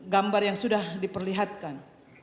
gambar yang sudah diperlihatkan